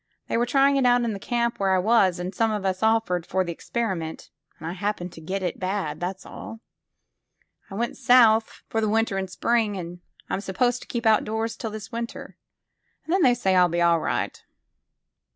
They were trying it out in the camp where I was, and some of us offered for the experiment, and I happened to get it bad, that 's all. I went South for the 195 SQUARE PEGGY winter and spring, and I'm supposed to keep outdoors till this winter, and then they say I'll be all right."